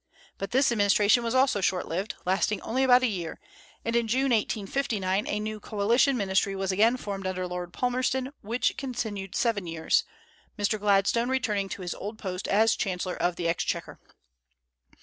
But this administration also was short lived, lasting only about a year; and in June, 1859, a new coalition ministry was again formed under Lord Palmerston, which continued seven years, Mr. Gladstone returning to his old post as chancellor of the exchequer.